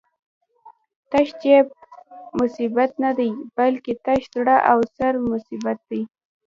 تش جېب مصیبت نه دی، بلکی تش زړه او سر مصیبت دی